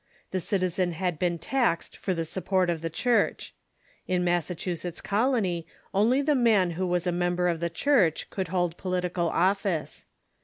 The citizen had been taxed for the support of the Church. In Chanqe of Base Massachusetts Colony only the man who was a in the Support member of the Church could hold political office.